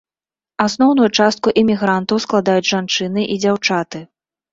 Асноўную частку эмігрантаў складаюць жанчыны і дзяўчаты.